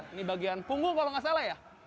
ini bagian punggung kalau nggak salah ya